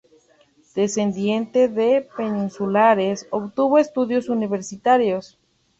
Descendiente de peninsulares, obtuvo estudios universitarios.